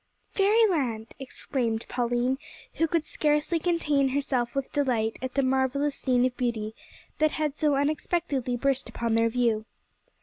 "Fairyland!" exclaimed Pauline, who could scarcely contain herself with delight at the marvellous scene of beauty that had so unexpectedly burst upon their view.